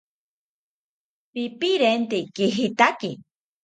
¡Pipirente kejitaki!